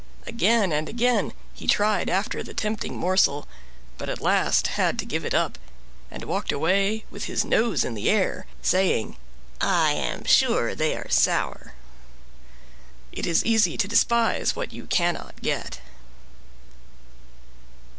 Again and again he tried after the tempting morsel, but at last had to give it up, and walked away with his nose in the air, saying: "I am sure they are sour." "IT IS EASY TO DESPISE WHAT YOU CANNOT GET."